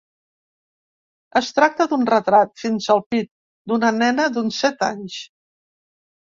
Es tracta d'un retrat, fins al pit, d'una nena d'uns set anys.